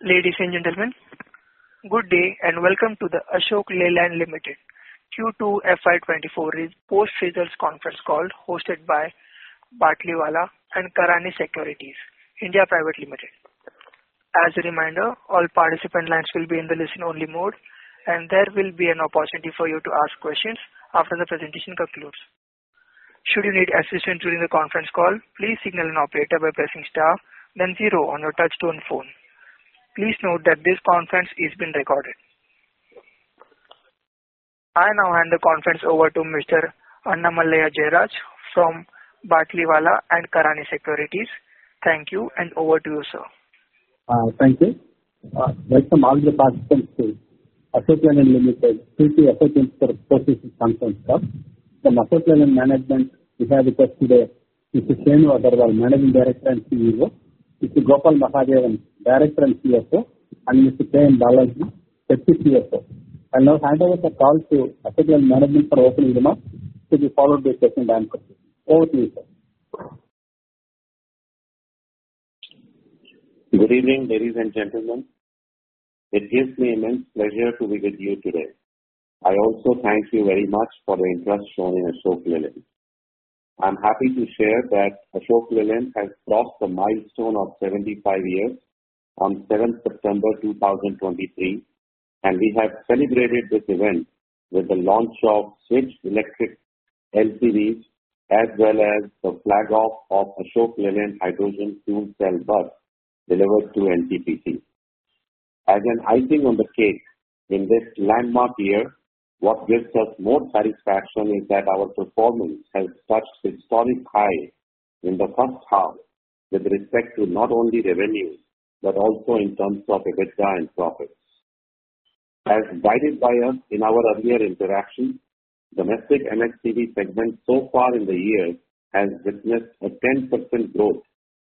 Ladies and gentlemen, good day, and welcome to the Ashok Leyland Limited Q2 FY 2024 Post-Results Conference Call, hosted by Batlivala & Karani Securities India Private Limited. As a reminder, all participant lines will be in the listen-only mode, and there will be an opportunity for you to ask questions after the presentation concludes. Should you need assistance during the conference call, please signal an operator by pressing star, then zero on your touchtone phone. Please note that this conference is being recorded. I now hand the conference over to Mr. Annamalai Jayaraj from Batlivala & Karani Securities. Thank you, and over to you, sir. Thank you. Welcome all the participants to Ashok Leyland Limited Q2 FY 2024 Results Conference Call. From Ashok Leyland management, we have with us today, Mr. Shenu Agarwal, Managing Director and CEO, Mr. Gopal Mahadevan, Director and CFO, and Mr. K. M. Balaji, Deputy CFO. I now hand over the call to Ashok Leyland management for opening remarks to be followed by question and answer. Over to you, sir. Good evening, ladies and gentlemen. It gives me immense pleasure to be with you today. I also thank you very much for the interest shown in Ashok Leyland. I'm happy to share that Ashok Leyland has crossed the milestone of 75 years on 7th September 2023, and we have celebrated this event with the launch of Switch electric LCVs, as well as the flag-off of Ashok Leyland hydrogen fuel cell bus delivered to NTPC. As an icing on the cake, in this landmark year, what gives us more satisfaction is that our performance has touched historic high in the first half, with respect to not only revenue, but also in terms of EBITDA and profits. As guided by us in our earlier interaction, domestic MHCV segment so far in the year has witnessed a 10% growth,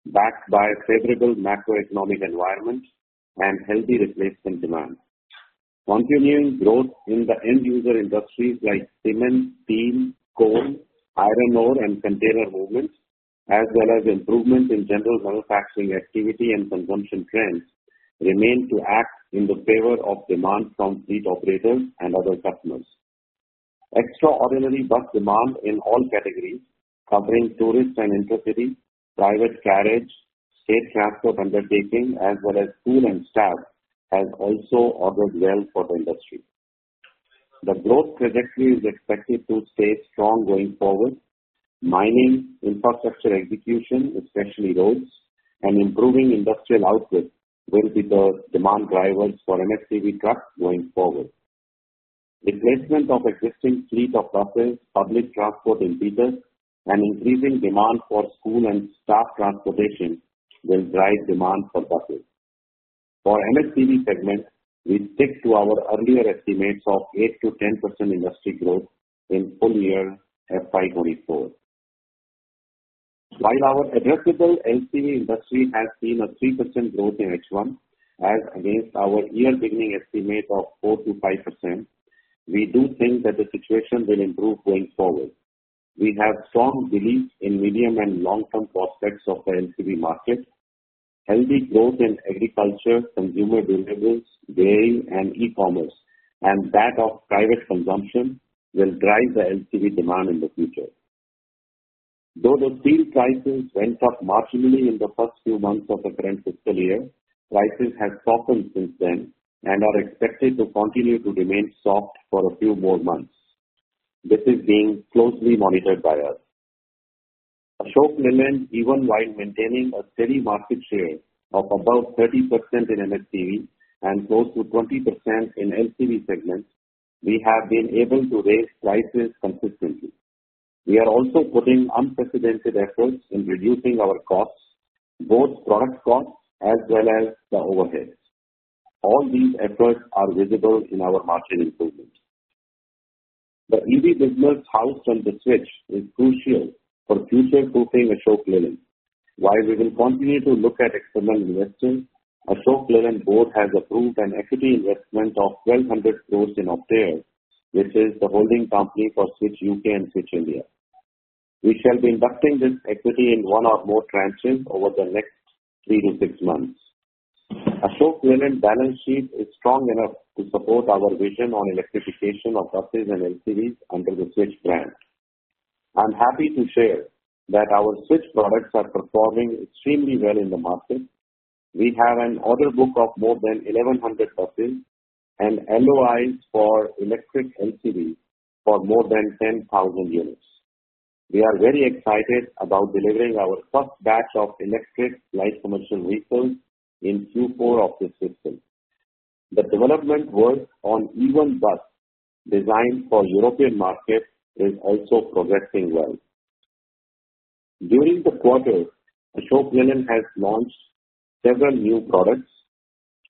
backed by a favorable macroeconomic environment and healthy replacement demand. Continued growth in the end user industries like cement, steel, coal, iron ore, and container movements, as well as improvement in general manufacturing activity and consumption trends, remain to act in the favor of demand from fleet operators and other customers. Extraordinary bus demand in all categories, covering tourist and intercity, private carriage, state transport undertaking, as well as school and staff, has also augured well for the industry. The growth trajectory is expected to stay strong going forward. Mining, infrastructure execution, especially roads, and improving industrial output will be the demand drivers for MHCV trucks going forward. Replacement of existing fleet of buses, public transport in cities, and increasing demand for school and staff transportation will drive demand for buses. For MHCV segment, we stick to our earlier estimates of 8%-10% industry growth in full year FY 2024. While our addressable LCV industry has seen a 3% growth in H1, as against our year beginning estimate of 4%-5%, we do think that the situation will improve going forward. We have strong belief in medium and long-term prospects of the LCV market. Healthy growth in agriculture, consumer durables, dairy, and e-commerce, and that of private consumption will drive the LCV demand in the future. Though the steel prices went up marginally in the first few months of the current fiscal year, prices have softened since then and are expected to continue to remain soft for a few more months. This is being closely monitored by us. Ashok Leyland, even while maintaining a steady market share of above 30% in MHCV and close to 20% in LCV segment, we have been able to raise prices consistently. We are also putting unprecedented efforts in reducing our costs, both product costs as well as the overheads. All these efforts are visible in our margin improvements. The EV business housed on the Switch is crucial for future-proofing Ashok Leyland. While we will continue to look at external investments, Ashok Leyland board has approved an equity investment of 1,200 crore in Optare, which is the holding company for Switch U.K. and Switch India. We shall be inducting this equity in one or more tranches over the next 3-6 months. Ashok Leyland balance sheet is strong enough to support our vision on electrification of buses and LCVs under the Switch brand. I'm happy to share that our Switch products are performing extremely well in the market. We have an order book of more than 1,100 buses and LOIs for electric LCV for more than 10,000 units. We are very excited about delivering our first batch of electric light commercial vehicles in Q4 of this fiscal. The development work on E1 bus designed for European market is also progressing well. During the quarter, Ashok Leyland has launched several new products,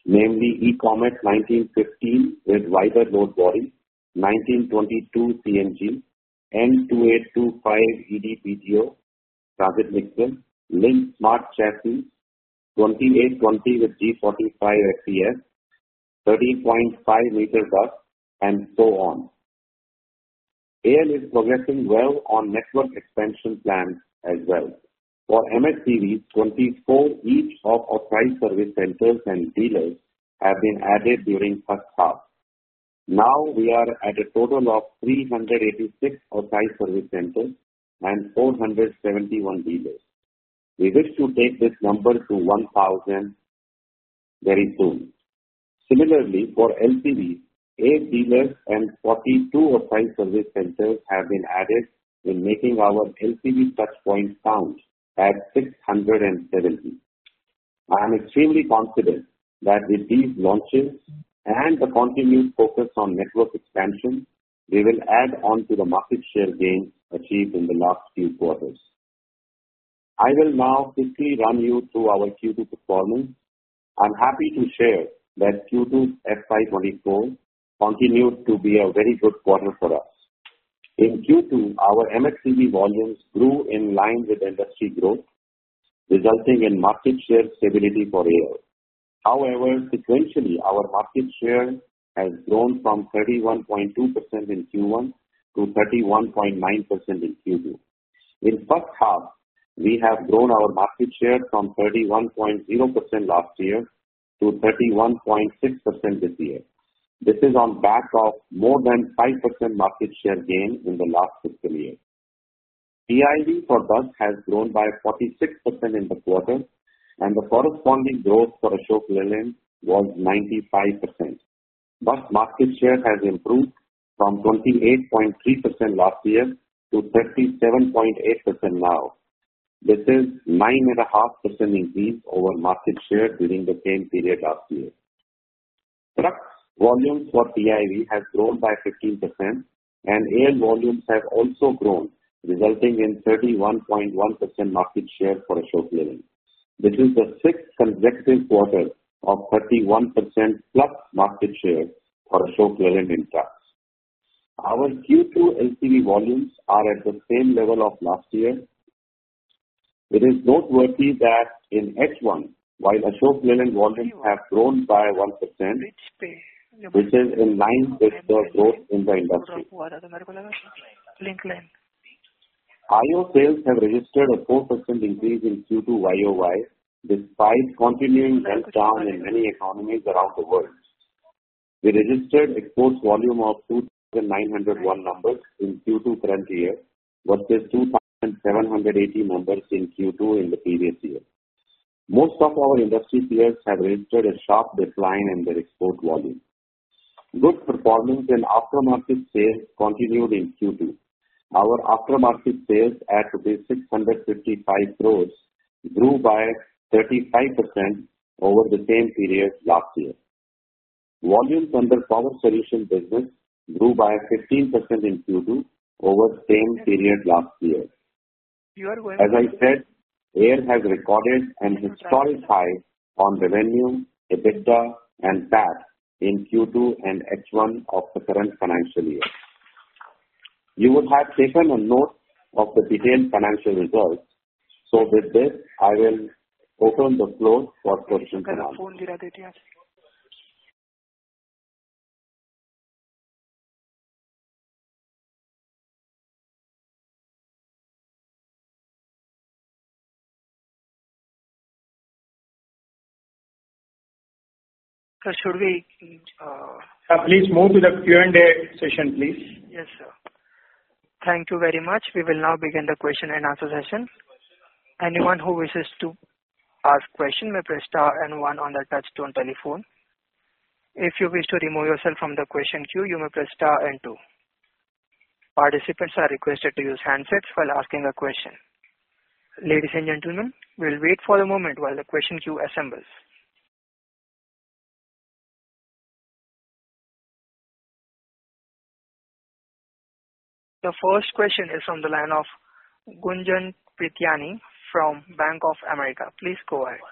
namely, EComet 1950 with wider load body, 1922 CNG, N2825 ED PTO transit mixer, Lynx Smart Chassis, 28-20 with G45 FES, 13.5m Bus, and so on. AL is progressing well on network expansion plans as well. For MPCV, 24 each of authorized service centers and dealers have been added during first half. Now we are at a total of 386 authorized service centers and 471 dealers. We wish to take this number to 1,000 very soon. Similarly, for LCV, 8 dealers and 42 authorized service centers have been added in making our LCV touch point count at 670. I am extremely confident that with these launches and the continued focus on network expansion, we will add on to the market share gain achieved in the last few quarters. I will now quickly run you through our Q2 performance. I'm happy to share that Q2 FY 2024 continued to be a very good quarter for us. In Q2, our MPCV volumes grew in line with industry growth, resulting in market share stability for AL. However, sequentially, our market share has grown from 31.2% in Q1 to 31.9% in Q2. In first half, we have grown our market share from 31.0% last year to 31.6% this year. This is on back of more than 5% market share gain in the last fiscal year. TIV for Bus has grown by 46% in the quarter, and the corresponding growth for Ashok Leyland was 95%. Bus market share has improved from 28.3% last year to 37.8% now. This is 9.5% increase over market share during the same period last year. Trucks volumes for TIV have grown by 15%, and AL volumes have also grown, resulting in 31.1% market share for Ashok Leyland. This is the sixth consecutive quarter of 31% plus market share for Ashok Leyland in trucks. Our Q2 LCV volumes are at the same level of last year. It is noteworthy that in H1, while Ashok Leyland volumes have grown by 1%, which is in line with the growth in the industry. IO sales have registered a 4% increase in Q2 YOY, despite continuing meltdown in many economies around the world. We registered export volume of 2,901 numbers in Q2 current year, versus 2,780 numbers in Q2 in the previous year. Most of our industry peers have registered a sharp decline in their export volume. Good performance in aftermarket sales continued in Q2. Our aftermarket sales at rupees 655 crore grew by 35% over the same period last year. Volumes under Power Solution business grew by 15% in Q2 over the same period last year. As I said, AL has recorded an historic high on revenue, EBITDA and PAT in Q2 and H1 of the current financial year. You would have taken a note of the detailed financial results, so with this, I will open the floor for question and answer. Sir, should we, Please move to the Q&A session, please. Yes, sir. Thank you very much. We will now begin the question and answer session. Anyone who wishes to ask question may press star and one on their touchtone telephone. If you wish to remove yourself from the question queue, you may press star and two. Participants are requested to use handsets while asking a question. Ladies and gentlemen, we'll wait for a moment while the question queue assembles. The first question is on the line of Gunjan Prithyani from Bank of America. Please go ahead.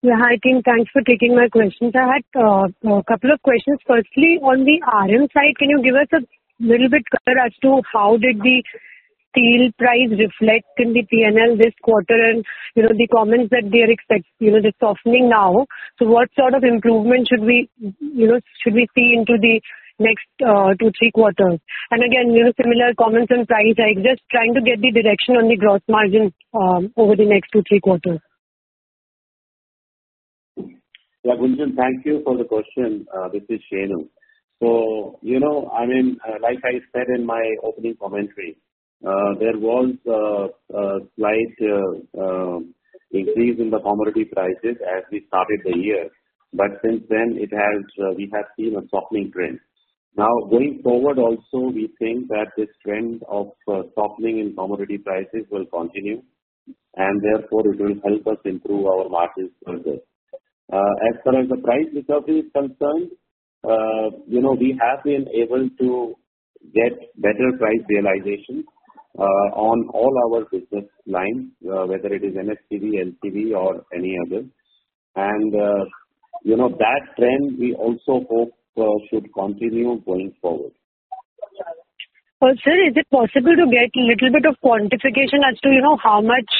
Yeah, hi, team. Thanks for taking my questions. I had a couple of questions. Firstly, on the RM side, can you give us a little bit color as to how did the steel price reflect in the PNL this quarter? And, you know, the comments that they are expect, you know, it's softening now. So what sort of improvement should we, you know, should we see into the next 2-3 quarters? And again, you know, similar comments and price. I'm just trying to get the direction on the growth margin over the next 2-3 quarters. Yeah, Gunjan, thank you for the question. This is Shenu. So, you know, I mean, like I said in my opening commentary, there was a slight increase in the commodity prices as we started the year. But since then, it has, we have seen a softening trend. Now, going forward, also, we think that this trend of softening in commodity prices will continue, and therefore, it will help us improve our margins further. As far as the price recovery is concerned, you know, we have been able to get better price realization on all our business lines, whether it is MPCV, LCV, or any other. And, you know, that trend, we also hope, should continue going forward. Well, sir, is it possible to get a little bit of quantification as to, you know, how much,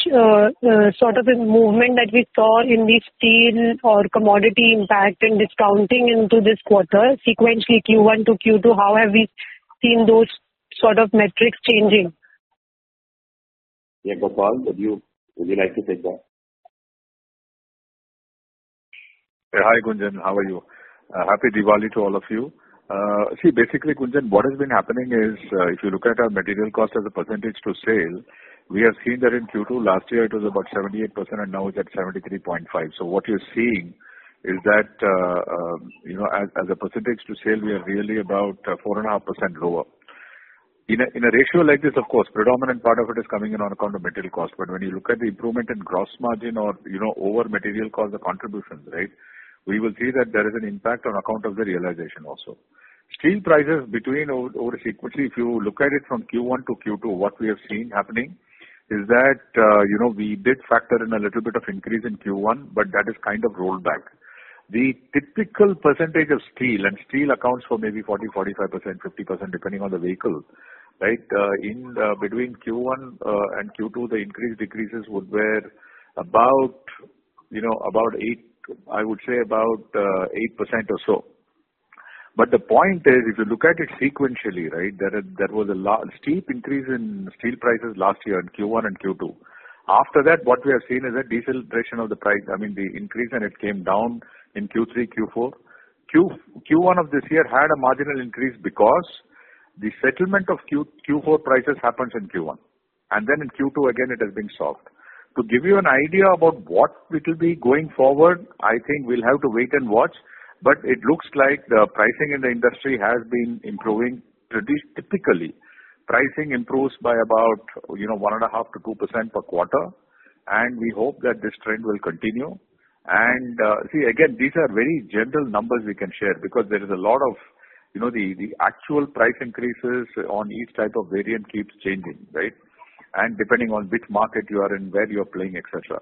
sort of this movement that we saw in the steel or commodity impact and discounting into this quarter? Sequentially, Q1 to Q2, how have we seen those sort of metrics changing? Yeah, Gopal, would you, would you like to take that? Hi, Gunjan. How are you? Happy Diwali to all of you. See, basically, Gunjan, what has been happening is, if you look at our material cost as a percentage to sales, we have seen that in Q2 last year it was about 78%, and now it's at 73.5. So what you're seeing is that, you know, as a percentage to sales, we are really about 4.5% lower. In a ratio like this, of course, predominant part of it is coming in on account of material cost, but when you look at the improvement in gross margin or, you know, over material cost, the contributions, right? We will see that there is an impact on account of the realization also. Steel prices, however, sequentially, if you look at it from Q1 to Q2, what we have seen happening is that, you know, we did factor in a little bit of increase in Q1, but that is kind of rolled back. The typical percentage of steel, and steel accounts for maybe 40, 45%, 50%, depending on the vehicle, right? In between Q1 and Q2, the increases/decreases were about, you know, about 8, I would say about 8% or so. But the point is, if you look at it sequentially, right, there was a steep increase in steel prices last year in Q1 and Q2. After that, what we have seen is a deceleration of the price, I mean, the increase, and it came down in Q3, Q4. Q1 of this year had a marginal increase because the settlement of Q4 prices happens in Q1, and then in Q2, again, it has been solved. To give you an idea about what it'll be going forward, I think we'll have to wait and watch, but it looks like the pricing in the industry has been improving pretty typically. Pricing improves by about, you know, 1.5%-2% per quarter, and we hope that this trend will continue. And, see again, these are very general numbers we can share because there is a lot of, you know, the, the actual price increases on each type of variant keeps changing, right? And depending on which market you are in, where you're playing, et cetera.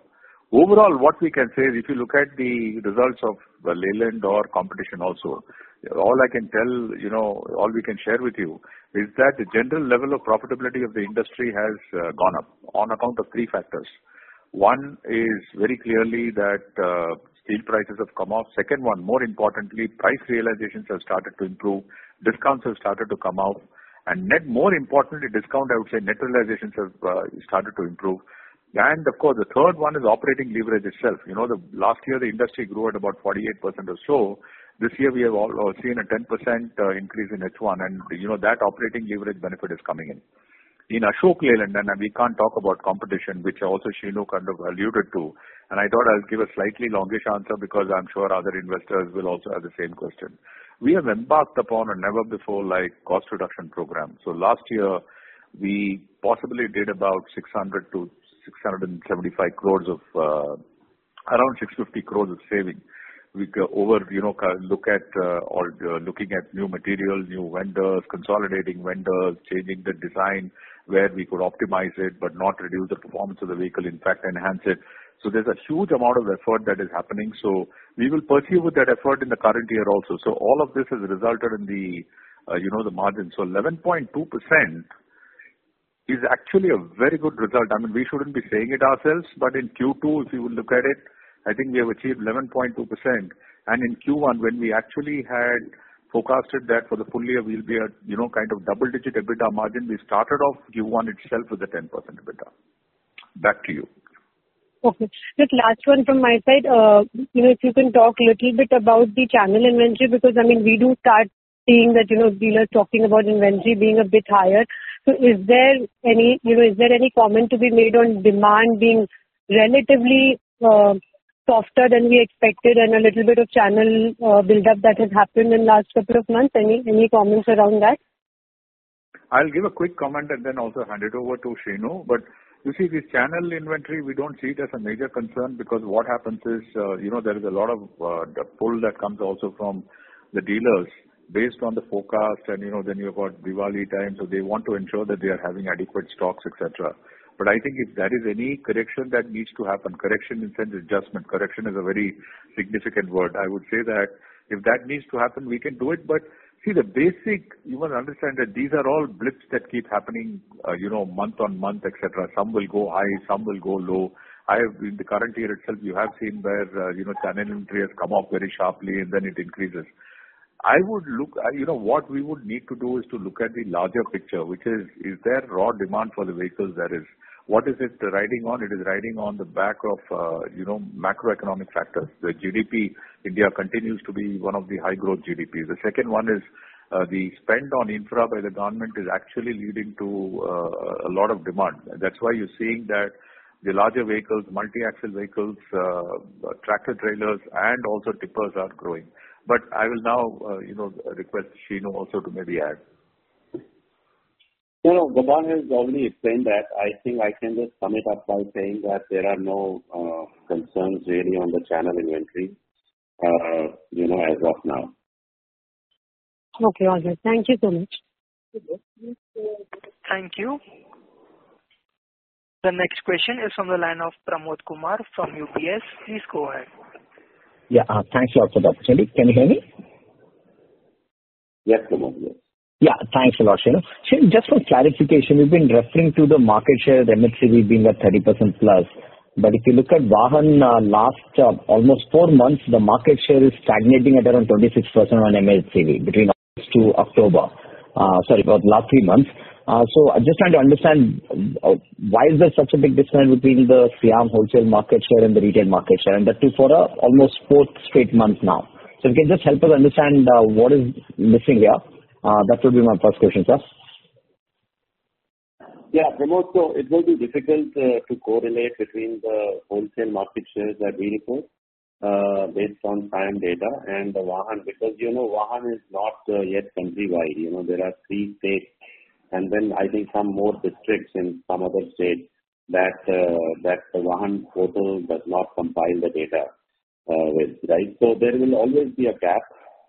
Overall, what we can say is, if you look at the results of Ashok Leyland or competition also, all I can tell, you know, all we can share with you is that the general level of profitability of the industry has gone up on account of three factors. One is very clearly that steel prices have come up. Second one, more importantly, price realizations have started to improve, discounts have started to come out, and net, more importantly, discount, I would say, net realizations have started to improve. And of course, the third one is operating leverage itself. You know, the last year, the industry grew at about 48% or so. This year we have all seen a 10% increase in H1, and you know that operating leverage benefit is coming in. In Ashok Leyland, we can't talk about competition, which also Shenu kind of alluded to, and I thought I'd give a slightly longish answer because I'm sure other investors will also have the same question. We have embarked upon a never-before-like cost reduction program. Last year we possibly did about 600 crore-675 crore of, around 650 crore of saving. We, you know, kind of looking at new materials, new vendors, consolidating vendors, changing the design, where we could optimize it, but not reduce the performance of the vehicle, in fact, enhance it. There's a huge amount of effort that is happening. We will pursue with that effort in the current year also. All of this has resulted in the, you know, the margins. 11.2% is actually a very good result. I mean, we shouldn't be saying it ourselves, but in Q2, if you look at it, I think we have achieved 11.2%. And in Q1, when we actually had forecasted that for the full year, we'll be at, you know, kind of double-digit EBITDA margin. We started off Q1 itself with a 10% EBITDA. Back to you. Okay. Just last one from my side. You know, if you can talk a little bit about the channel inventory, because, I mean, we do start seeing that, you know, dealers talking about inventory being a bit higher. So is there any, you know, is there any comment to be made on demand being relatively, softer than we expected and a little bit of channel, buildup that has happened in last couple of months? Any comments around that? I'll give a quick comment and then also hand it over to Shenu. But you see, the channel inventory, we don't see it as a major concern because what happens is, you know, there is a lot of pull that comes also from the dealers based on the forecast, and, you know, then you've got Diwali time, so they want to ensure that they are having adequate stocks, et cetera. But I think if there is any correction that needs to happen, correction in sense adjustment, correction is a very significant word. I would say that if that needs to happen, we can do it. But see, the basic, you must understand that these are all blips that keep happening, you know, month-on-month, et cetera. Some will go high, some will go low. I have, in the current year itself, you have seen where, you know, channel inventory has come up very sharply, and then it increases. I would look at, you know, what we would need to do is to look at the larger picture, which is, is there raw demand for the vehicles, that is? What is it riding on? It is riding on the back of, you know, macroeconomic factors, where GDP, India continues to be one of the high-growth GDPs. The second one is, the spend on infra by the government is actually leading to, a lot of demand. That's why you're seeing that the larger vehicles, multi-axle vehicles, tractor-trailers, and also tippers are growing. But I will now, you know, request Shenu also to maybe add. Sure. Gopal has already explained that. I think I can just sum it up by saying that there are no, concerns really on the channel inventory, you know, as of now. Okay. All right. Thank you so much. Thank you. The next question is on the line of Pramod Kumar from UBS. Please go ahead. Yeah, thanks a lot for the opportunity. Can you hear me? Yes, Pramod. Yeah. Thanks a lot, Shenu. Shenu, just for clarification, you've been referring to the market share of MFCV being at 30% plus, but if you look at Vahan, last, almost four months, the market share is stagnating at around 26% on MFCV between August to October. Sorry, for the last three months. So I'm just trying to understand, why is there such a big difference between the SIAM wholesale market share and the retail market share, and that too, for, almost four straight months now? So if you can just help us understand, what is missing here. That would be my first question, sir. Yeah, Pramod, so it will be difficult to correlate between the wholesale market shares that we report based on time data and the Vahan, because, you know, Vahan is not yet countrywide. You know, there are three states, and then I think some more districts in some other states that that the Vahan portal does not compile the data with, right? So there will always be a gap.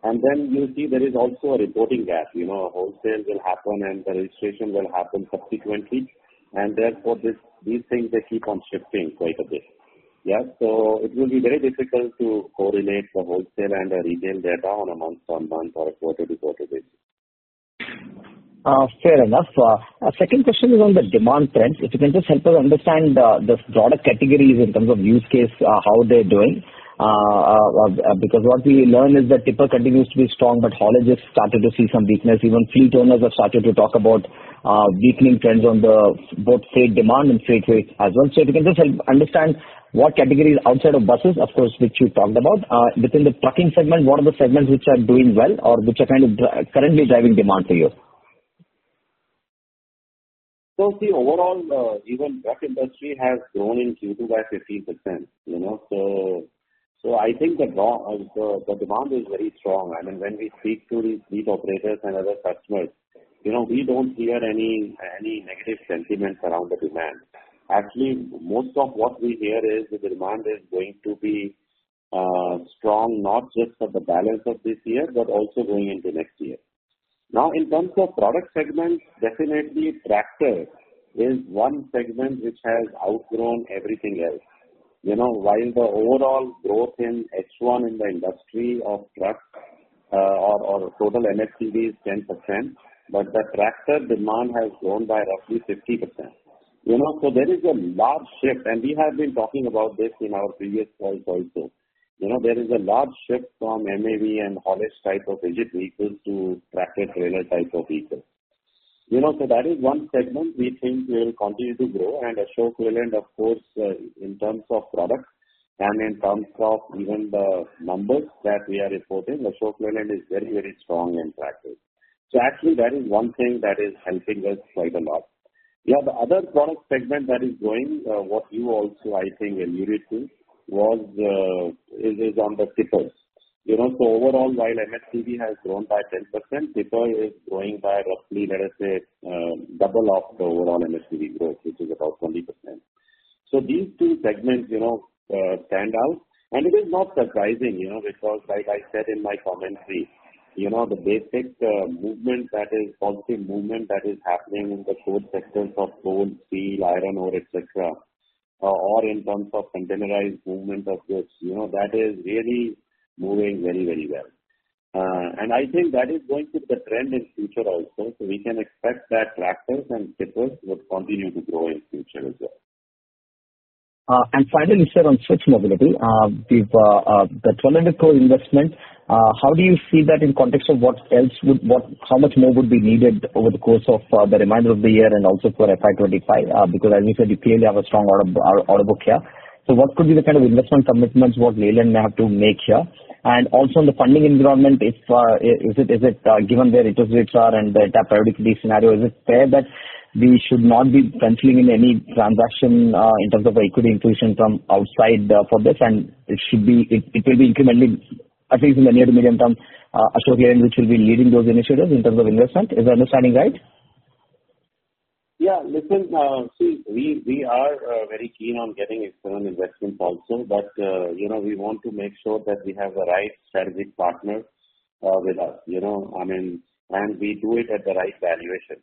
And then you'll see there is also a reporting gap. You know, wholesales will happen, and the registration will happen subsequently, and therefore, this, these things, they keep on shifting quite a bit. Yeah, so it will be very difficult to correlate the wholesale and the retail data on a month-on-month or a quarter-to-quarter basis. Fair enough. Our second question is on the demand trend. If you can just help us understand the product categories in terms of use case, how they're doing? Because what we learned is that tipper continues to be strong, but haulage has started to see some weakness. Even fleet owners have started to talk about weakening trends on the both state demand and freight way as well. So if you can just help understand what categories outside of buses, of course, which you talked about, within the trucking segment, what are the segments which are doing well or which are kind of currently driving demand for you? So, see, overall, even the truck industry has grown in Q2 by 15%, you know, so I think the demand is very strong. I mean, when we speak to these fleet operators and other customers, you know, we don't hear any negative sentiments around the demand. Actually, most of what we hear is the demand is going to be strong, not just for the balance of this year, but also going into next year. Now, in terms of product segments, definitely tractor is one segment which has outgrown everything else. You know, while the overall growth in H1 in the industry of trucks or total MHCV is 10%, but the tractor demand has grown by roughly 50%. You know, so there is a large shift, and we have been talking about this in our previous calls also. You know, there is a large shift from MAV and haulage type of rigid vehicles to tractor-trailer type of vehicles. You know, so that is one segment we think will continue to grow. And Ashok Leyland, of course, in terms of products and in terms of even the numbers that we are reporting, Ashok Leyland is very, very strong in tractors. So actually that is one thing that is helping us quite a lot. Yeah, the other product segment that is growing, what you also, I think, alluded to, was, is, is on the tippers. You know, so overall, while MFCV has grown by 10%, tipper is growing by roughly, let us say, double of the overall MFCV growth, which is about 20%. So these two segments, you know, stand out, and it is not surprising, you know, because like I said in my commentary, you know, the basic, movement that is positive movement that is happening in the core sectors of coal, steel, iron ore, et cetera, or in terms of containerized movement of goods, you know, that is really moving very, very well. And I think that is going to be the trend in future also, so we can expect that tractors and tippers would continue to grow in future as well. Finally, sir, on Switch Mobility, the 1,200 crore investment, how do you see that in context of what else would work? How much more would be needed over the course of the remainder of the year and also for FY 2025? Because as you said, you clearly have a strong order book here. So what could be the kind of investment commitments what Leyland may have to make here? And also, in the funding environment, if is it given where interest rates are and the periodic scenario, is it fair that we should not be considering any transaction in terms of equity infusion from outside for this? It should be, it will be incrementally, at least in the near to medium term, Ashok Leyland, which will be leading those initiatives in terms of investment. Is my understanding right? Yeah. Listen, see, we are very keen on getting external investments also, but you know, we want to make sure that we have the right strategic partner with us, you know? I mean, and we do it at the right valuation.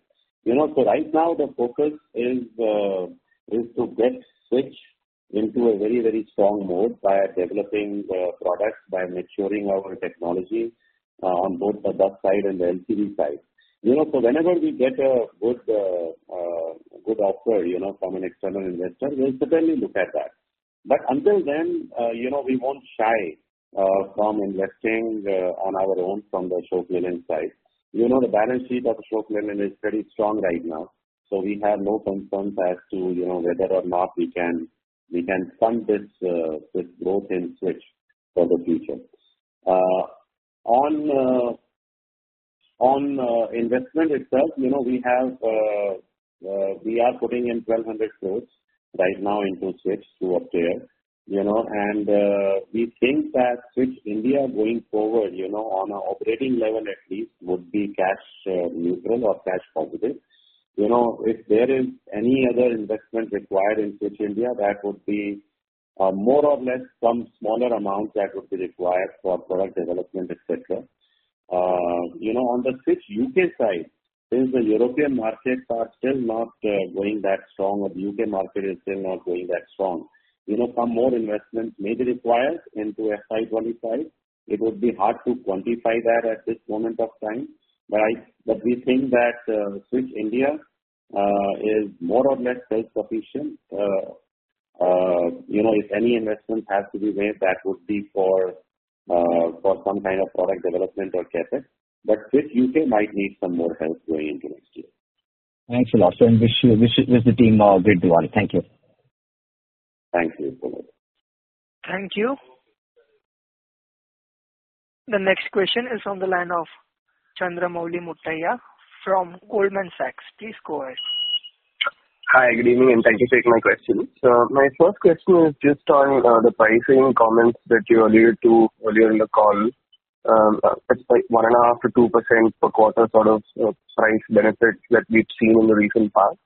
You know, so right now the focus is to get Switch into a very, very strong mode by developing the products, by maturing our technology on both the EV side and the LCV side. You know, so whenever we get a good offer, you know, from an external investor, we'll certainly look at that. But until then, you know, we won't shy from investing on our own from the Ashok Leyland side. You know, the balance sheet of Ashok Leyland is very strong right now, so we have no concerns as to, you know, whether or not we can fund this growth in Switch for the future. On investment itself, you know, we have, we are putting in 1,200 crore right now into Switch to Optare, you know, and we think that Switch India going forward, you know, on an operating level at least, would be cash neutral or cash positive. You know, if there is any other investment required in Switch India, that would be more or less some smaller amount that would be required for product development, et cetera. You know, on the Switch U.K. side, since the European markets are still not going that strong or the U.K. market is still not going that strong, you know, some more investments may be required into FY 2025. It would be hard to quantify that at this moment of time, but I, but we think that, Switch India, is more or less self-sufficient. You know, if any investment has to be made, that would be for, for some kind of product development or CapEx, but Switch U.K. might need some more help going into next year. Thanks a lot, sir, and wish you, the team a great Diwali. Thank you. Thanks, Pramod. Thank you. The next question is on the line of Chandramouli Muthiah from Goldman Sachs. Please go ahead. Hi, good evening, and thank you for taking my question. So my first question is just on the pricing comments that you alluded to earlier in the call, like 1.5%-2% per quarter sort of price benefit that we've seen in the recent past.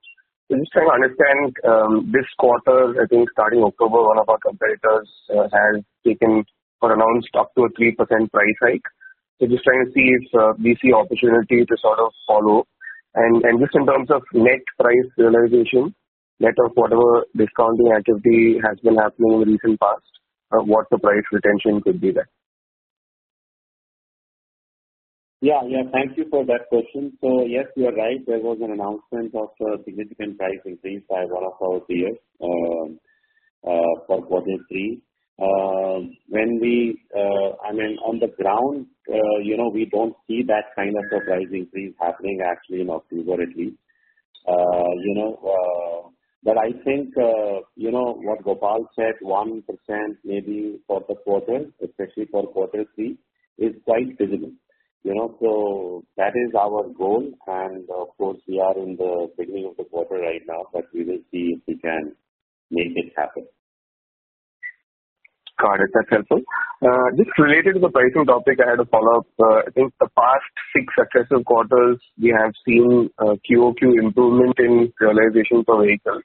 So I'm just trying to understand this quarter, I think starting October, one of our competitors has taken or announced up to 3% price hike. So just trying to see if we see opportunity to sort of follow. And just in terms of net price realization, net of whatever discounting activity has been happening in the recent past, what the price retention could be there? Yeah, yeah. Thank you for that question. So yes, you are right. There was an announcement of a significant price increase by one of our peers, for quarter three. I mean, on the ground, you know, we don't see that kind of a price increase happening actually in October at least. You know, but I think, you know, what Gopal said, 1% maybe for the quarter, especially for quarter three, is quite visible. You know, so that is our goal, and of course, we are in the beginning of the quarter right now, but we will see if we can make it happen. Got it. That's helpful. Just related to the pricing topic, I had a follow-up. I think the past six successive quarters, we have seen a QOQ improvement in realization for vehicles,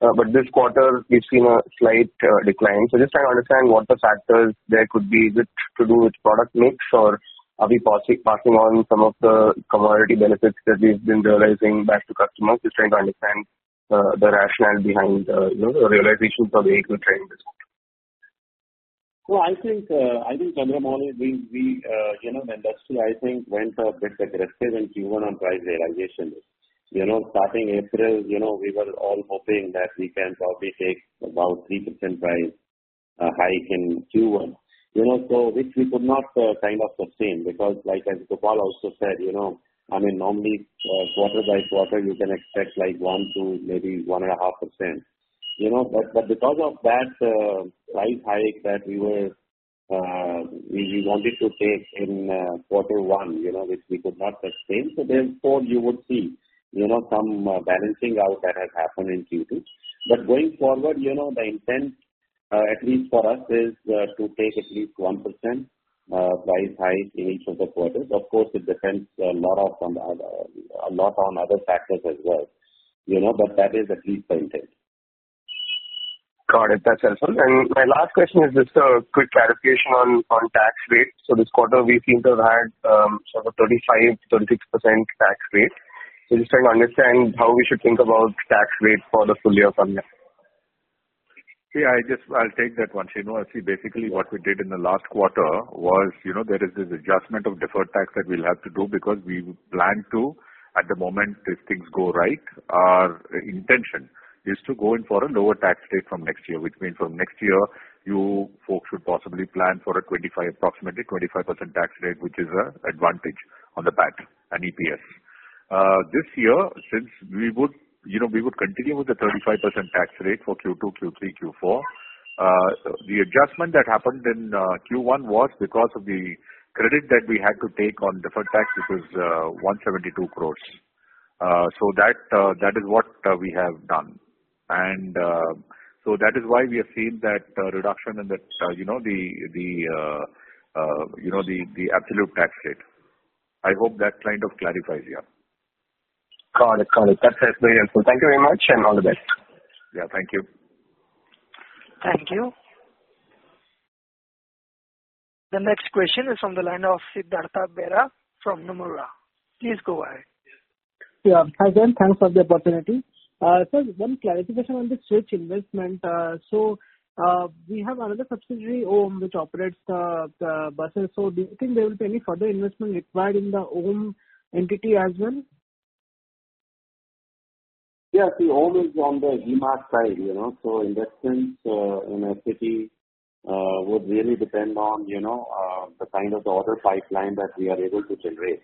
but this quarter we've seen a slight decline. So just trying to understand what the factors there could be, which to do with product mix, or are we passing, passing on some of the commodity benefits that we've been realizing back to customers? Just trying to understand the rationale behind, you know, the realization for vehicle trends. So I think, I think, Chandramouli, we, we, you know, the industry, I think, went a bit aggressive in Q1 on price realization. You know, starting April, you know, we were all hoping that we can probably take about 3% price hike in Q1, you know, so which we could not kind of sustain because like as Gopal also said, you know, I mean, normally, quarter by quarter, you can expect like one, two, maybe 1.5%. You know, but, but because of that, price hike that we were, we, we wanted to take in, quarter one, you know, which we could not sustain, so therefore you would see, you know, some balancing out that has happened in Q2. Going forward, you know, the intent, at least for us, is to take at least 1% price hike in each of the quarters. Of course, it depends a lot of on the other, a lot on other factors as well, you know, but that is at least the intent. Got it. That's helpful. And my last question is just a quick clarification on tax rate. So this quarter, we seem to have had sort of 35%-36% tax rate. So just trying to understand how we should think about tax rate for the full year from here. Yeah, I just... I'll take that one. You know, see, basically what we did in the last quarter was, you know, there is this adjustment of deferred tax that we'll have to do because we plan to, at the moment, if things go right, our intention is to go in for a lower tax rate from next year, which means from next year, you folks should possibly plan for a 25, approximately 25% tax rate, which is an advantage on the PAT and EPS. This year, since we would, you know, we would continue with the 35% tax rate for Q2, Q3, Q4. The adjustment that happened in Q1 was because of the credit that we had to take on deferred tax, which was 172 crore. So that is what we have done. So that is why we have seen that reduction in the, you know, the absolute tax rate. I hope that kind of clarifies you. Got it, got it. That's very helpful. Thank you very much, and all the best. Yeah, thank you. Thank you. The next question is from the line of Siddhartha Bera from Nomura. Please go ahead. Yeah. Hi, there, and thanks for the opportunity. So one clarification on the Switch investment. We have another subsidiary, OHM, which operates the buses, so do you think there will be any further investment required in the OHM entity as well? Yeah, see, OHM is on the eMaaS side, you know, so investments in a city would really depend on, you know, the kind of order pipeline that we are able to generate.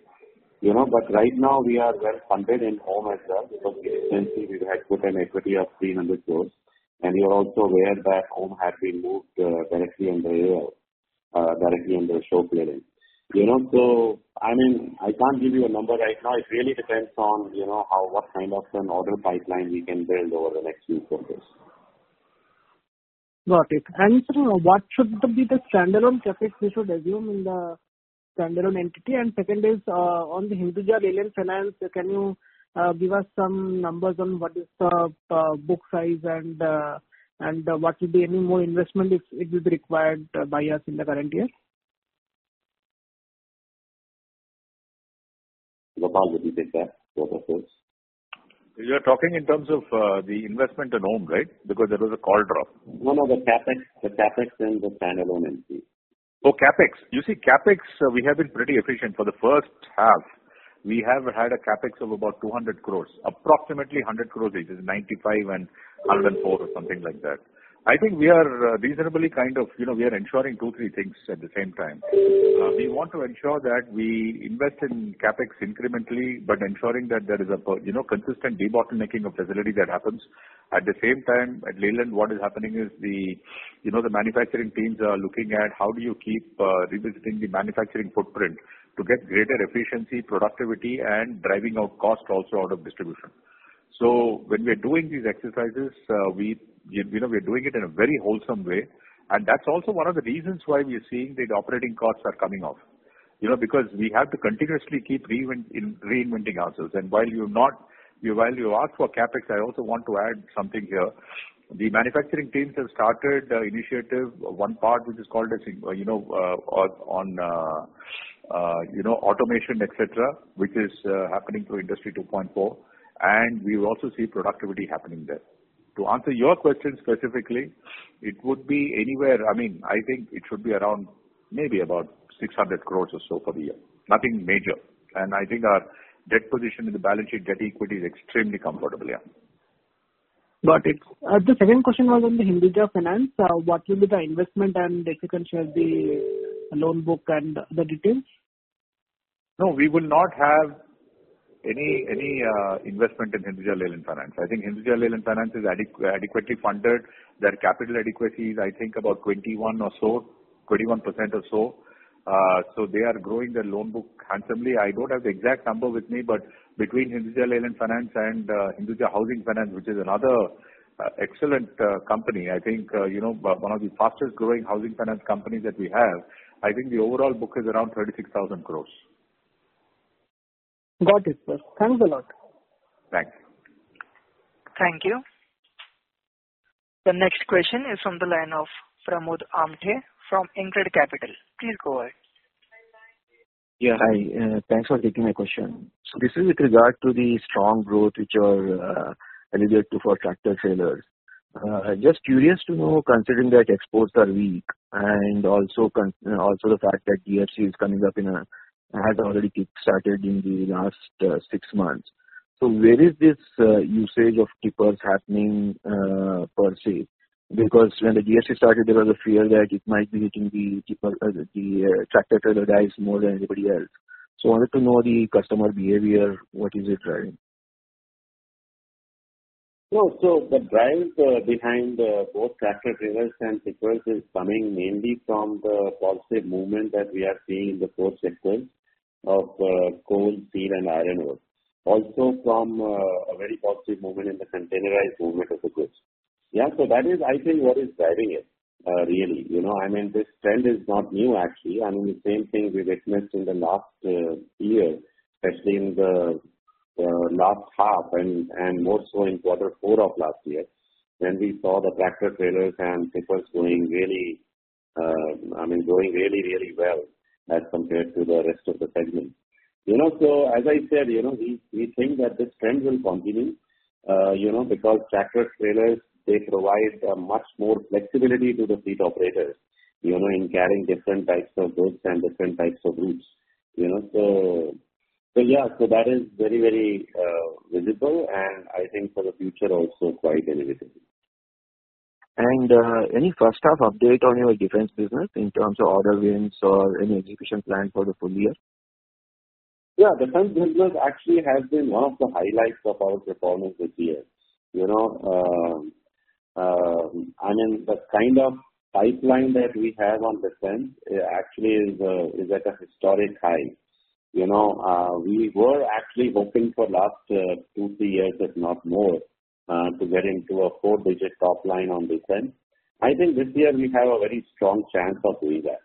You know, but right now we are well funded in OHM as well, because essentially we had put an equity of 300 crore, and you're also aware that OHM has been moved directly under Ashok Leyland. You know, so I mean, I can't give you a number right now. It really depends on, you know, how, what kind of an order pipeline we can build over the next few quarters. Got it. Sir, what should be the standalone CapEx we should assume in the standalone entity? Second is, on the Hinduja Leyland Finance, can you give us some numbers on what is the book size and what will be any more investment if it is required by us in the current year? Gopal, would you take that, both of those queries? You're talking in terms of the investment in OHM, right? Because there was a call drop. No, no, the CapEx, the CapEx in the standalone entity. Oh, CapEx. You see, CapEx, we have been pretty efficient. For the first half, we have had a CapEx of about 200 crore, approximately 100 crore, it is 95 crore and 104 crore or something like that. I think we are reasonably kind of, you know, we are ensuring two, three things at the same time. We want to ensure that we invest in CapEx incrementally, but ensuring that there is a, you know, consistent debottlenecking of facility that happens. At the same time, at Leyland, what is happening is the, you know, the manufacturing teams are looking at how do you keep revisiting the manufacturing footprint to get greater efficiency, productivity, and driving out cost also out of distribution. So when we are doing these exercises, we, you know, we are doing it in a very wholesome way, and that's also one of the reasons why we are seeing the operating costs are coming off. You know, because we have to continuously keep reinventing ourselves. While you ask for CapEx, I also want to add something here. The manufacturing teams have started an initiative, one part, which is called, you know, automation, et cetera, which is happening through Industry 4.0, and we also see productivity happening there. To answer your question specifically, it would be anywhere, I mean, I think it should be around maybe about 600 crore or so for the year. Nothing major. And I think our debt position in the balance sheet, debt equity, is extremely comfortable. Yeah. Got it. The second question was on the Hinduja Leyland Finance. What will be the investment and if you can share the loan book and the details? No, we will not have any investment in Hinduja Leyland Finance. I think Hinduja Leyland Finance is adequately funded. Their capital adequacy is, I think, about 21% or so. So they are growing their loan book handsomely. I don't have the exact number with me, but between Hinduja Leyland Finance and Hinduja Housing Finance, which is another excellent company, I think, you know, one of the fastest growing housing finance companies that we have, I think the overall book is around 36,000 crore. Got it, sir. Thanks a lot. Thanks. Thank you. The next question is from the line of Pramod Amte from InCred Capital. Please go ahead. Yeah, hi, thanks for taking my question. So this is with regard to the strong growth which are related to for tractor trailers. Just curious to know, considering that exports are weak and also construction and also the fact that GST is coming up, has already kick-started in the last six months. So where is this usage of tippers happening per se? Because when the GST started, there was a fear that it might be hitting the tipper, the tractor trailer guys more than anybody else. So I wanted to know the customer behavior, what is it driving? Well, so the drive behind the both tractor trailers and tippers is coming mainly from the positive movement that we are seeing in the core segment of coal, steel, and iron ore. Also from a very positive movement in the containerized movement of the goods. Yeah, so that is, I think, what is driving it, really. You know, I mean, this trend is not new, actually. I mean, the same thing we've witnessed in the last year, especially in the last half and more so in quarter four of last year, when we saw the tractor trailers and tippers doing really, I mean, doing really, really well as compared to the rest of the segment. You know, so as I said, you know, we think that this trend will continue, you know, because tractor-trailers, they provide much more flexibility to the fleet operator, you know, in carrying different types of goods and different types of routes, you know. So, yeah, so that is very, very visible, and I think for the future also quite innovative. Any first half update on your Defense business in terms of order wins or any execution plan for the full year? Yeah, Defense business actually has been one of the highlights of our performance this year. You know, I mean, the kind of pipeline that we have on defense actually is at a historic high. You know, we were actually hoping for last 2, 3 years, if not more, to get into a four-digit top line on defense. I think this year we have a very strong chance of doing that.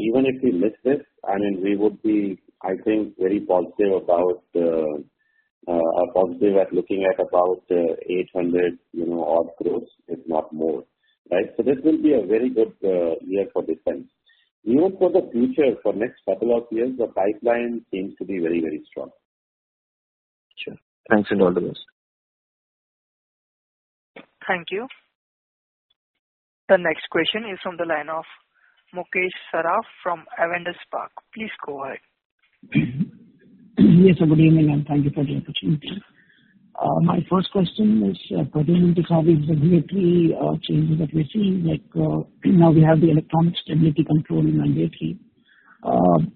Even if we miss this, I mean, we would be, I think, very positive about positive at looking at about 800-odd crores, if not more. Right? So this will be a very good year for defense. Even for the future, for next couple of years, the pipeline seems to be very, very strong. Sure. Thanks a lot for this. Thank you. The next question is from the line of Mukesh Saraf from Avendus Spark. Please go ahead. Yes, good evening, and thank you for the opportunity. My first question is pertaining to all the regulatory changes that we're seeing, like, now we have the electronic stability control mandatorily.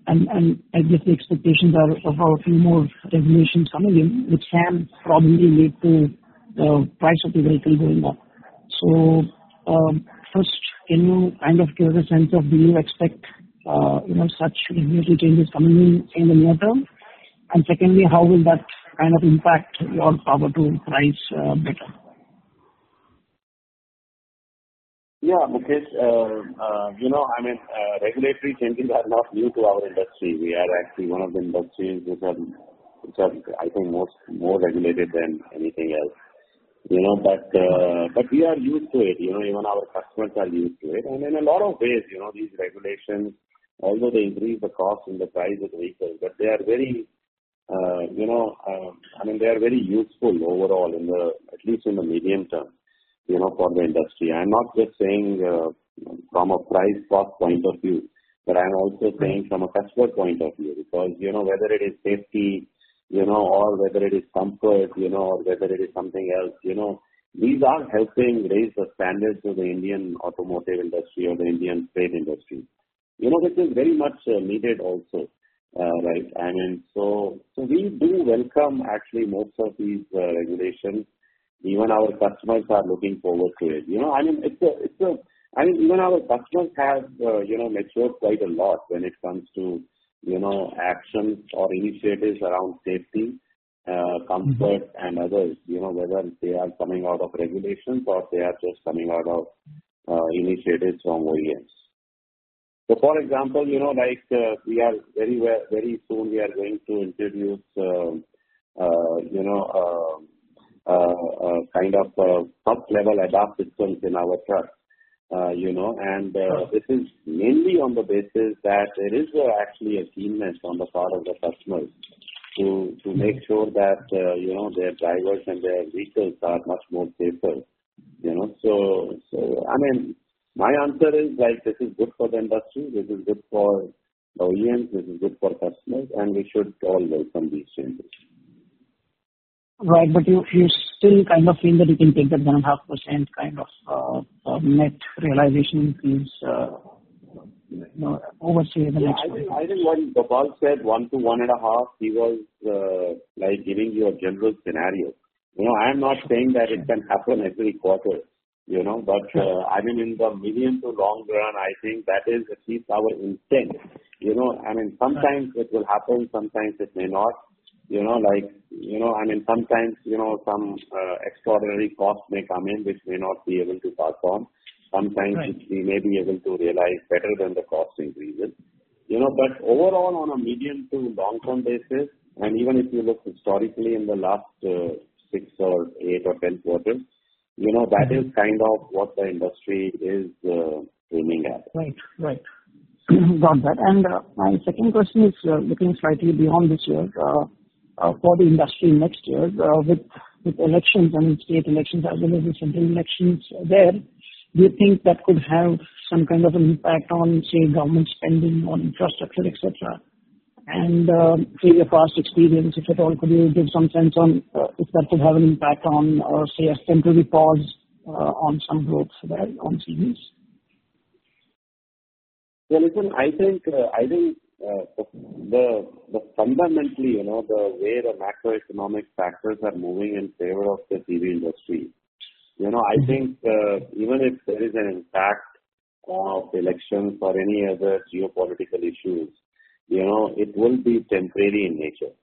And I guess the expectations are of a few more regulations coming in, which can probably lead to price of the vehicle going up. So, first, can you kind of give us a sense of do you expect, you know, such regulatory changes coming in in the near term? And secondly, how will that kind of impact your power to price better? Yeah, Mukesh, you know, I mean, regulatory changes are not new to our industry. We are actually one of the industries which are, I think, more regulated than anything else. You know, but we are used to it, you know, even our customers are used to it. And in a lot of ways, you know, these regulations, although they increase the cost and the price of the vehicles, but they are very, you know, I mean, they are very useful overall in the, at least in the medium term, you know, for the industry. I'm not just saying from a price cost point of view, but I'm also saying from a customer point of view. Because, you know, whether it is safety, you know, or whether it is comfort, you know, or whether it is something else, you know, these are helping raise the standards of the Indian automotive industry or the Indian truck industry. You know, this is very much needed also, right? I mean, so we do welcome actually most of these regulations. Even our customers are looking forward to it. You know, I mean, even our customers have, you know, matured quite a lot when it comes to, you know, actions or initiatives around safety, comfort and other, you know, whether they are coming out of regulations or they are just coming out of initiatives from OEMs. So, for example, you know, like, we are very well, very soon we are going to introduce, you know, a kind of top-level ADAS systems in our trucks, you know, and this is mainly on the basis that there is actually a demand on the part of the customers to make sure that, you know, their drivers and their vehicles are much more safer, you know. So, I mean, my answer is that this is good for the industry, this is good for OEMs, this is good for customers, and we should all welcome these changes. Right. But you still kind of feel that you can take that 1.5% kind of net realization increase, you know, over say, the next one? Yeah. I think when Gopal said 1%-1.5%, he was like giving you a general scenario. You know, I'm not saying that it can happen every quarter, you know. But I mean, in the medium to long run, I think that is at least our intent. You know, I mean, sometimes it will happen, sometimes it may not. You know, like, you know, I mean, sometimes, you know, some extraordinary costs may come in, which we may not be able to pass on. Right. Sometimes we may be able to realize better than the cost increases. You know, but overall, on a medium to long-term basis, and even if you look historically in the last, 6 or 8 or 10 quarters, you know, that is kind of what the industry is, aiming at. Right. Right. Got that. And, my second question is, looking slightly beyond this year, for the industry next year, with elections, I mean, state elections as well as the central elections there, do you think that could have some kind of impact on, say, government spending on infrastructure, et cetera? And, say, your past experience, if at all, could you give some sense on, if that could have an impact on or, say, a temporary pause, on some growth there on CVs? Well, listen, I think fundamentally, you know, the way the macroeconomic factors are moving in favor of the CV industry. You know, I think even if there is an impact of elections or any other geopolitical issues, you know, it will be temporary in nature.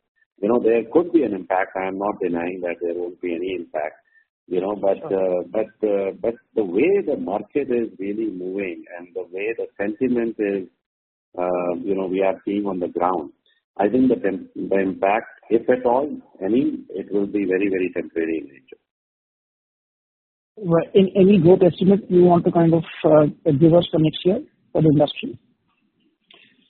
You know, there could be an impact. I am not denying that there won't be any impact, you know. Sure. But the way the market is really moving and the way the sentiment is, you know, we are seeing on the ground, I think the impact, if at all, any, it will be very, very temporary in nature. Right. Any growth estimate you want to kind of give us for next year for the industry?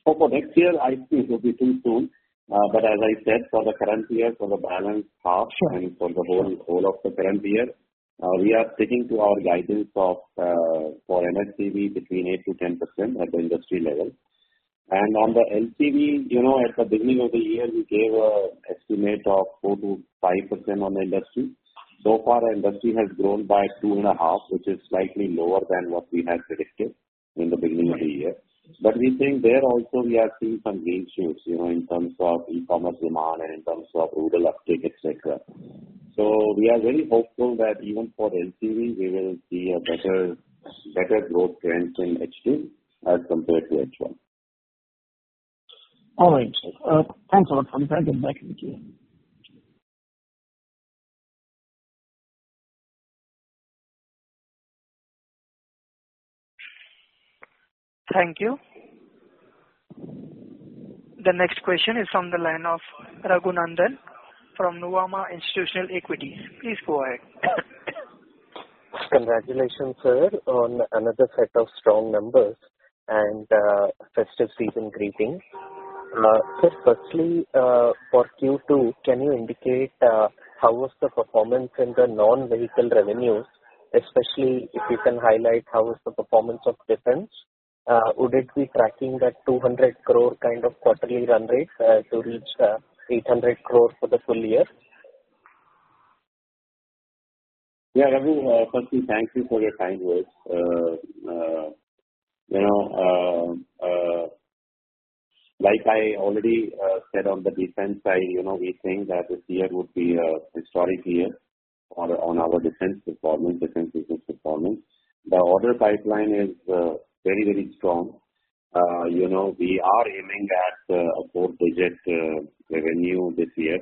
So for next year, I think it will be too soon. But as I said, for the current year, for the balance half. Sure. And for the whole, whole of the current year, we are sticking to our guidance of, for LCV between 8%-10% at the industry level. And on the LCV, you know, at the beginning of the year, we gave an estimate of 4%-5% on the industry. So far, the industry has grown by 2.5%, which is slightly lower than what we had predicted in the beginning of the year. But we think there also we are seeing some green shoots, you know, in terms of e-commerce demand and in terms of rural uptick, et cetera. So we are very hopeful that even for LCV, we will see a better, better growth trend in H2 as compared to H1. All right. Thanks a lot for getting back with you. Thank you. The next question is from the line of Raghunandhan from Nuvama Institutional Equities. Please go ahead. Congratulations, sir, on another set of strong numbers and festive season greetings. Sir, firstly, for Q2, can you indicate how was the performance in the non-vehicle revenues, especially if you can highlight how was the performance of Defense? Would it be tracking that 200 crore kind of quarterly run rate to reach 800 crores for the full year? Yeah, Raghu, firstly, thank you for your kind words. You know, like I already said on the defense side, you know, we think that this year would be a historic year on our defense performance, Defense business performance. The order pipeline is very, very strong. You know, we are aiming at a four-digit revenue this year.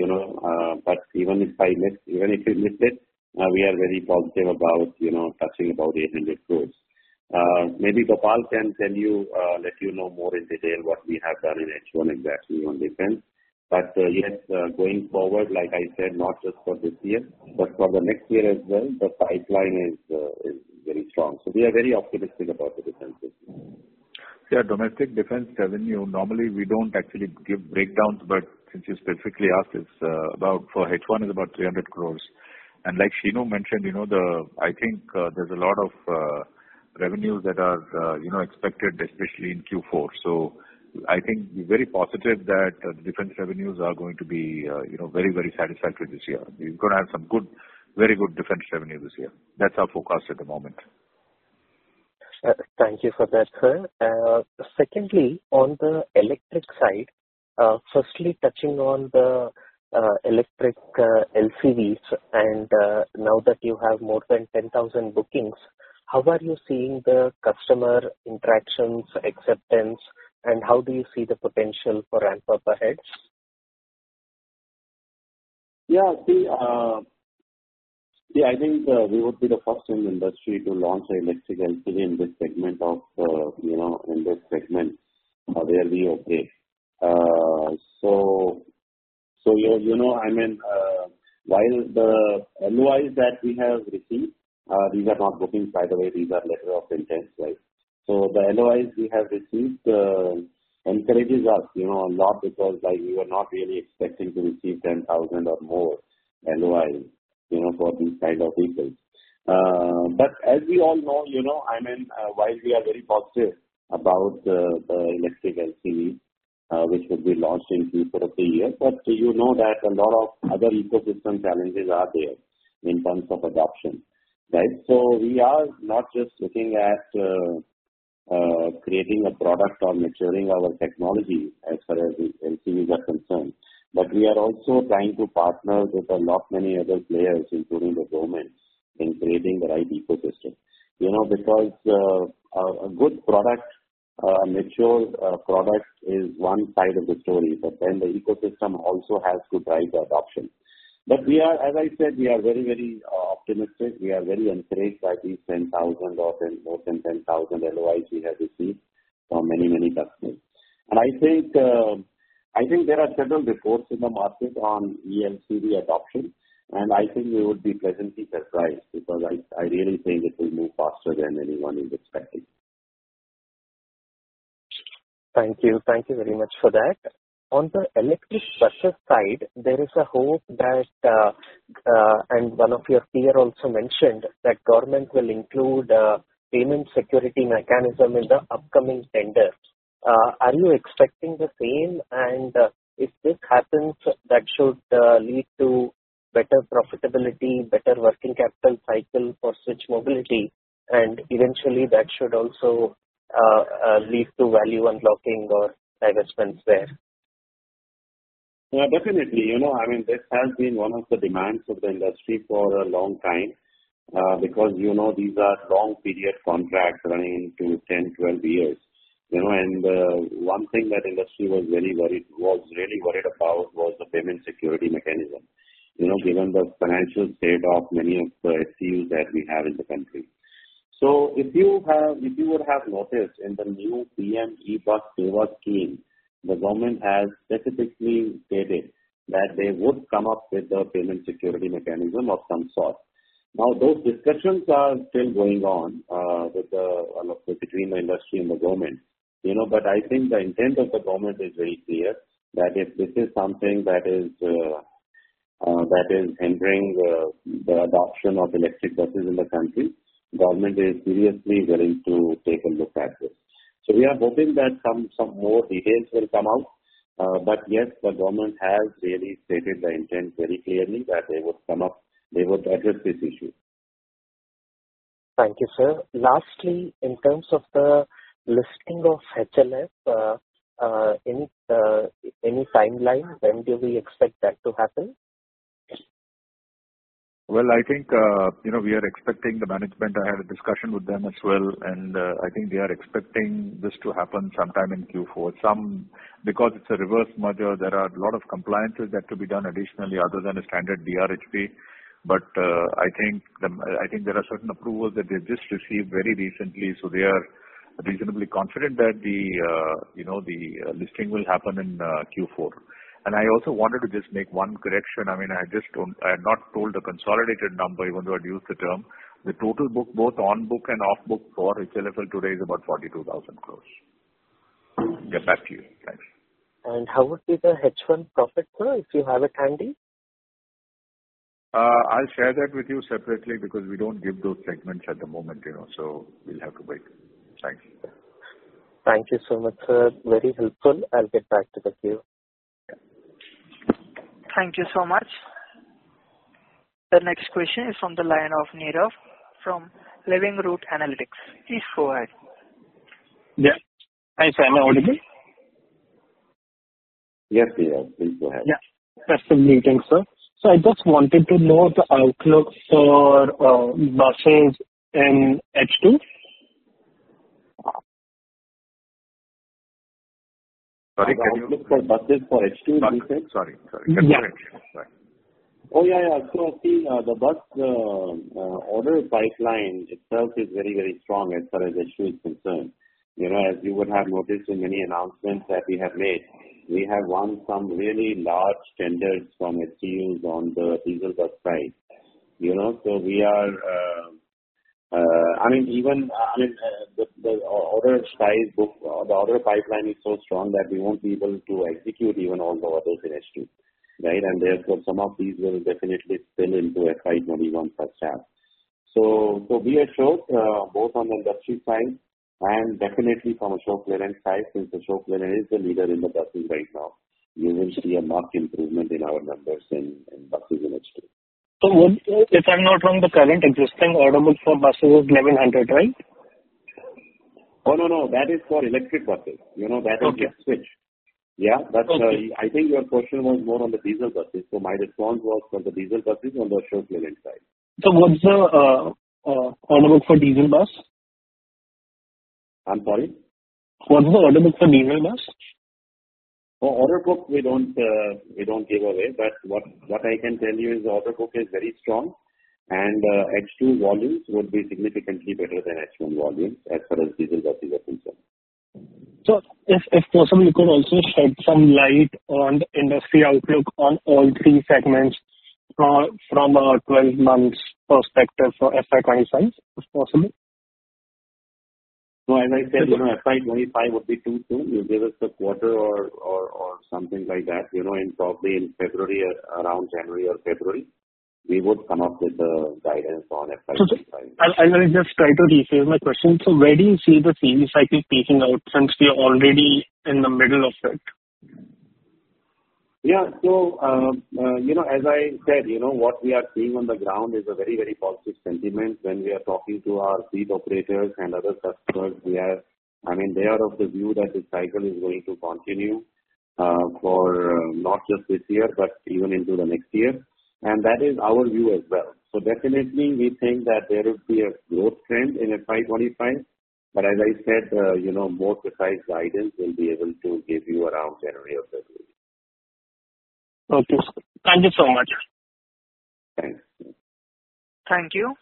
You know, but even if I miss, even if we miss it, we are very positive about, you know, touching about 800 crore. Maybe Gopal can tell you, let you know more in detail what we have done in H1 exactly on defense. But, yes, going forward, like I said, not just for this year, but for the next year as well, the pipeline is very strong. We are very optimistic about the Defense business. Yeah, domestic defense revenue, normally we don't actually give breakdowns, but since you specifically asked, it's about for H1 is about 300 crore. And like Shenu mentioned, you know, I think there's a lot of revenues that are, you know, expected, especially in Q4. So I think we're very positive that the defense revenues are going to be, you know, very, very satisfactory this year. We're gonna have some good, very good defense revenue this year. That's our forecast at the moment. Thank you for that, sir. Secondly, on the electric side, firstly, touching on the electric LCVs and now that you have more than 10,000 bookings, how are you seeing the customer interactions, acceptance, and how do you see the potential for ramp-up ahead? Yeah, see, yeah, I think, we would be the first in the industry to launch an electric LCV in this segment of, you know, in this segment, where we operate. So, so, you, you know, I mean, while the LOIs that we have received, these are not bookings, by the way, these are letter of intent, right? So the LOIs we have received, encourages us, you know, a lot because, like, we were not really expecting to receive 10,000 or more LOIs, you know, for these kind of vehicles. But as we all know, you know, I mean, while we are very positive about the, the electric LCV, which will be launched in Q4 of the year, but you know that a lot of other ecosystem challenges are there in terms of adoption, right? So we are not just looking at creating a product or maturing our technology as far as the LCVs are concerned, but we are also trying to partner with a lot many other players, including the government, in creating the right ecosystem. You know, because a good product, a mature product is one side of the story, but then the ecosystem also has to drive the adoption. But we are, as I said, we are very, very optimistic. We are very encouraged by these 10,000 or more than 10,000 LOIs we have received from many, many customers. And I think, I think there are several reports in the market on eLCV adoption, and I think we would be pleasantly surprised because I really think it will move faster than anyone is expecting. Thank you. Thank you very much for that. On the electric buses side, there is a hope that, and one of your peer also mentioned, that government will include, payment security mechanism in the upcoming tenders. Are you expecting the same? And, if this happens, that should, lead to better profitability, better working capital cycle for Switch Mobility, and eventually, that should also, lead to value unlocking or divestments there. Yeah, definitely. You know, I mean, this has been one of the demands of the industry for a long time, because, you know, these are long-period contracts running into 10, 12 years. You know, and one thing that industry was very worried, was really worried about was the payment security mechanism. You know, given the financial state of many of the STUs that we have in the country. So if you have, if you would have noticed in the new PM eBus Seva scheme, the government has specifically stated that they would come up with a payment security mechanism of some sort. Now, those discussions are still going on between the industry and the government, you know, but I think the intent of the government is very clear, that if this is something that is hindering the adoption of electric buses in the country, government is seriously willing to take a look at it. So we are hoping that some more details will come out. But yes, the government has really stated the intent very clearly that they would come up, they would address this issue. Thank you, sir. Lastly, in terms of the listing of HLF, any timeline? When do we expect that to happen? Well, I think, you know, we are expecting the management. I had a discussion with them as well, and I think they are expecting this to happen sometime in Q4. Because it's a reverse merger, there are a lot of compliances that could be done additionally, other than a standard DRHP. But I think there are certain approvals that they just received very recently, so they are reasonably confident that, you know, the listing will happen in Q4. And I also wanted to just make one correction. I mean, I just don't... I had not told the consolidated number, even though I'd used the term. The total book, both on-book and off-book, for HLFL today is about 42,000 crore. Get back to you. Thanks. How would be the H1 profit, sir, if you have it handy? I'll share that with you separately, because we don't give those segments at the moment, you know, so we'll have to wait. Thanks. Thank you so much, sir. Very helpful. I'll get back to the queue. Thank you so much. The next question is from the line of Nirav from Living Root Analytics. Please go ahead. Yeah. Hi, sir. Am I audible? Yes, we are. Please go ahead. Yeah. First, good evening, sir. So I just wanted to know the outlook for buses in H2. The outlook for buses for H2, you said? Yes Yeah, yeah. So see, the bus order pipeline itself is very, very strong as far as STUs is concerned. You know, as you would have noticed in many announcements that we have made, we have won some really large tenders from STUs on the diesel bus side. You know, so we are, I mean, even, I mean, the order book, the order pipeline is so strong that we won't be able to execute even on the orders in H2, right? And therefore, some of these will definitely spill into FY 2025. So we are sure, both on the industry side and definitely from Ashok Leyland side, since Ashok Leyland is the leader in the business right now. You will see a marked improvement in our numbers in, in buses in H2. So if I'm not wrong, the current existing order book for buses is 1,100, right? Oh, no, no, that is for electric buses. You know, that is Switch. Okay. Yeah. Okay. But, I think your question was more on the diesel buses, so my response was on the diesel buses on the Ashok Leyland side. So what's the, order book for diesel bus? I'm sorry? What's the order book for diesel bus? For order book, we don't, we don't give away, but what, what I can tell you is the order book is very strong, and, H2 volumes would be significantly better than H1 volumes as far as diesel buses are concerned. So if possible, you could also shed some light on the industry outlook on all three segments, from a 12-month perspective for FY 2025, if possible. So as I said, you know, FY 2025 would be too soon. You give us a quarter or something like that, you know, in probably in February, around January or February, we would come up with the guidance on FY 2025. So I will just try to rephrase my question. So where do you see the CV cycle peaking out since we are already in the middle of it? Yeah. So, you know, as I said, you know, what we are seeing on the ground is a very, very positive sentiment when we are talking to our fleet operators and other customers, we are I mean, they are of the view that this cycle is going to continue, for not just this year, but even into the next year, and that is our view as well. So definitely we think that there will be a growth trend in FY 2025, but as I said, you know, more precise guidance, we'll be able to give you around January or February. Okay, sir. Thank you so much. Thanks. Thank you.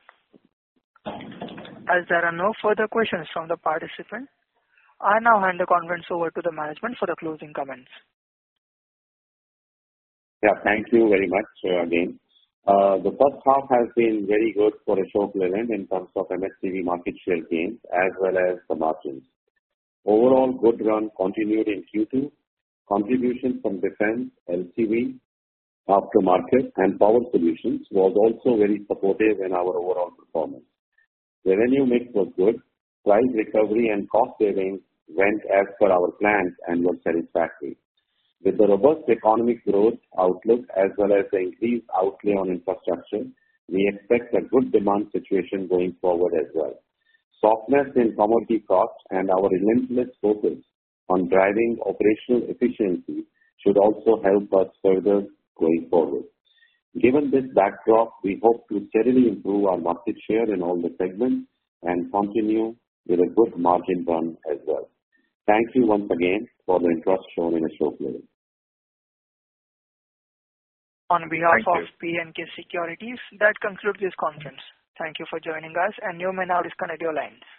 As there are no further questions from the participant, I now hand the conference over to the management for the closing comments. Yeah, thank you very much again. The first half has been very good for Ashok Leyland in terms of M&HCV market share gains as well as the margins. Overall good run continued in Q2. Contribution from defense, LCV, aftermarket, and power solutions was also very supportive in our overall performance. Revenue mix was good. Price recovery and cost savings went as per our plans and were satisfactory. With the robust economic growth outlook as well as increased outlay on infrastructure, we expect a good demand situation going forward as well. Softness in commodity costs and our relentless focus on driving operational efficiency should also help us further going forward. Given this backdrop, we hope to steadily improve our market share in all the segments and continue with a good margin run as well. Thank you once again for the interest shown in Ashok Leyland. On behalf- Thank you. of B&K Securities, that concludes this conference. Thank you for joining us, and you may now disconnect your line.